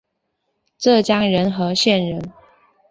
浙江仁和县人。